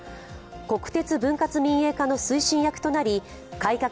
国鉄分割民営化の推進役となり改革